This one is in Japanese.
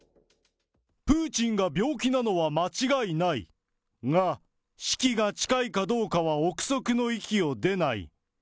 プーチンが病気なのは間違いない、が、死期が近いかどうかは臆測の域を出ない。